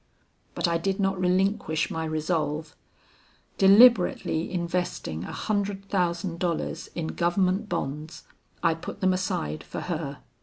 "But I did not relinquish my resolve. Deliberately investing a hundred thousand dollars in Government bonds, I put them aside for her.